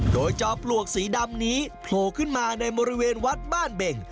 โดยจอมปลวกสีดำนี้โผล่ขึ้นมาในบริเวณวัดบ้านเบ่ง